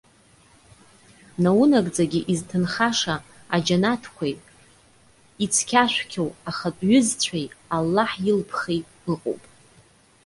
Наунагӡагьы изҭынхаша аџьанаҭқәеи, ицқьашәқьоу ахатәҩызцәеи, Аллаҳ илԥхеи ыҟоуп.